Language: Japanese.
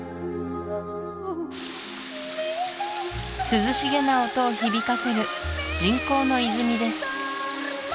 涼しげな音を響かせる人工の泉です